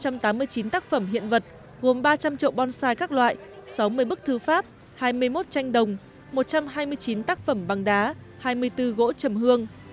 các tác phẩm hiện vật gồm ba trăm linh trộm bonsai các loại sáu mươi bức thư pháp hai mươi một tranh đồng một trăm hai mươi chín tác phẩm băng đá hai mươi bốn gỗ trầm hương